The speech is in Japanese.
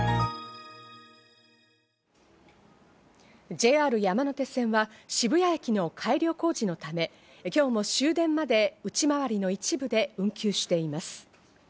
ＪＲ山手線は渋谷駅の改良工事のため、今日も終電まで内回りの一部で運休しています。